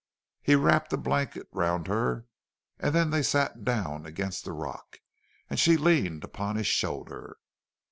He wrapped a blanket round her, and then they sat down against the rock, and she leaned upon his shoulder.